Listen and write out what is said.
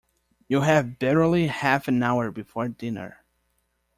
You have barely half an hour before dinner.